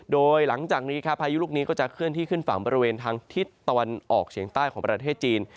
โดยหลังจากนี้ครับพายุลูกนี้ก็จะเคลื่อนที่ขึ้นฝั่งบริเวณทางทิศตะวันออกเฉียงใต้ของประเทศจีน